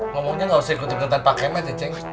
ngomongnya nggak usah ikutin tentang pakemet ya cenk